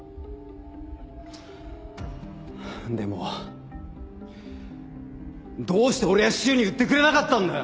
でもどうして俺や柊に言ってくれなかったんだよ